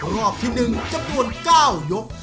รอบที่หนึ่งจำนวน๙ยก